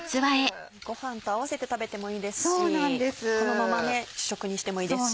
ご飯と合わせて食べてもいいですしこのまま主食にしてもいいですし。